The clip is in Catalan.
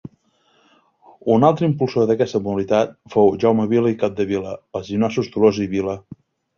Un altre impulsor d'aquesta modalitat fou Jaume Vila i Capdevila, als gimnasos Tolosa i Vila.